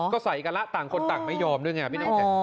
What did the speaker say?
ก็ใส่กันแล้วต่างคนต่างไม่ยอมด้วยไงพี่น้ำแข็ง